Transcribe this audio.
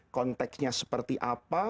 konteksnya seperti apa